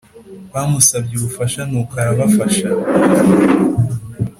bamusabye ubufasha nuko arbafasha